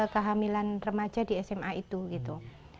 kehamilan remaja di sma itu gitu